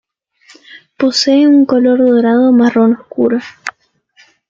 Posee un color dorado marrón oscuro.